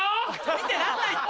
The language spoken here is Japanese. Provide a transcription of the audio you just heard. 見てらんないって。